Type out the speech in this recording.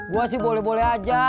gue sih boleh boleh aja